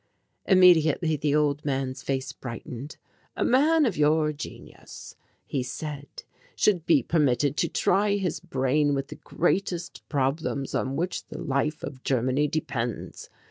Immediately the old man's face brightened. "A man of your genius," he said, "should be permitted to try his brain with the greatest problems on which the life of Germany depends.